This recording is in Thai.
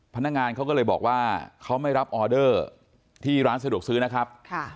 พนักงานเขาก็เลยบอกว่าเขาไม่รับออเดอร์ที่ร้านสะดวกซื้อนะครับ